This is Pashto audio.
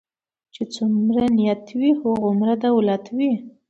چی څومره نيت وي هغومره دولت وي .